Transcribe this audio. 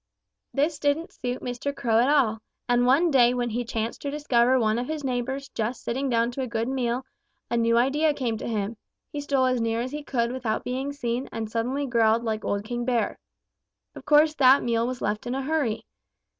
This didn't suit Mr. Crow at all, and one day when he chanced to discover one of his neighbors just sitting down to a good meal, a new idea came to him. He stole as near as he could without being seen and suddenly growled like old King Bear. Of course that meal was left in a hurry.